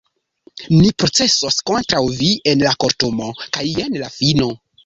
ni procesos kontraŭ vi en la kortumo, kaj jen la fino.